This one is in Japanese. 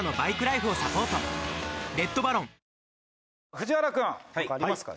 藤原君他ありますか？